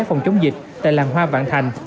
phòng chống dịch tại làng hoa vạn thành